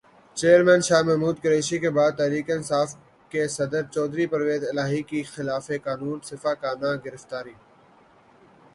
chairman Imran Khan اور vice chairman Shah Mahmood Qureshi کے بعد تحریک انصاف کے صدر چودھری پرویزالہٰی کی خلافِ قانون سفّاکانہ گرفتاری